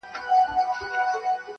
• غلیم وایي پښتون پرېږدی چي بیده وي..